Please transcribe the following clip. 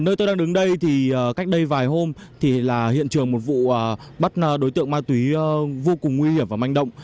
nơi tôi đang đứng đây thì cách đây vài hôm thì là hiện trường một vụ bắt đối tượng ma túy vô cùng nguy hiểm và manh động